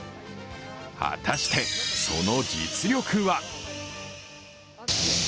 果たしてその実力は？